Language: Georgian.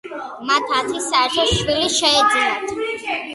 მათ ათი საერთო შვილი შეეძინათ.